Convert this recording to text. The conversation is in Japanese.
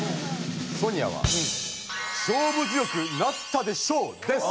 ソニアは「勝負強くなったで賞」です！